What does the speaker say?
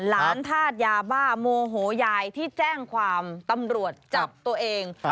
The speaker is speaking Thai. ธาตุยาบ้าโมโหยายที่แจ้งความตำรวจจับตัวเอง